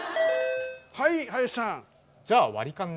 はい林さん。